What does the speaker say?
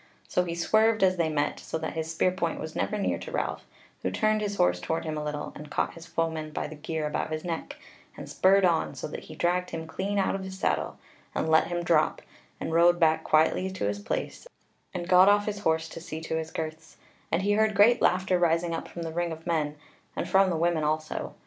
So he swerved as they met, so that his spear point was never near to Ralph, who turned his horse toward him a little, and caught his foeman by the gear about his neck, and spurred on, so that he dragged him clean out of his saddle, and let him drop, and rode back quietly to his place, and got off his horse to see to his girths; and he heard great laughter rising up from the ring of men, and from the women also.